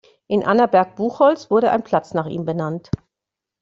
In Annaberg-Buchholz wurde ein Platz nach ihm benannt.